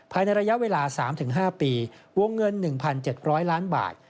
ภายในระยะเวลา๓๕ปีวงเงิน๑๗๐๐ล้านบาท